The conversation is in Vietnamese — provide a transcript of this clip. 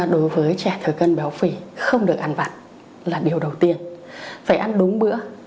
đối với trẻ thừa cân béo phỉ không được ăn vặn là điều đầu tiên phải ăn đúng bữa